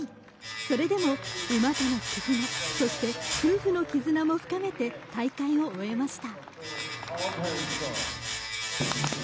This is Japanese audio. それでも馬との絆、そして夫婦の絆も深めて大会を終えました。